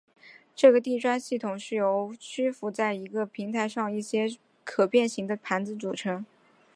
这个地砖系统是由虚浮在一个平台上的一些可变型的盘子组成。